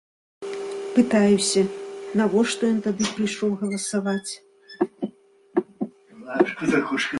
Пытаюся, навошта ён тады прыйшоў галасаваць.